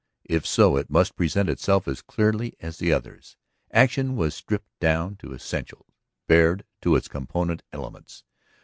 If so it must present itself as clearly as the others. Action was stripped down to essentials, bared to its component elements.